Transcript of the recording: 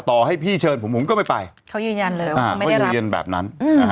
ต่อให้พี่เชิญผมผมก็ไม่ไปเขามีอย่างแบบนั้น